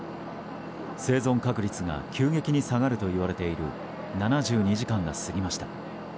生存確率が急激に下がるといわれている７２時間が過ぎました。